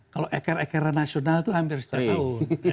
kalau eker ekera nasional itu hampir setahun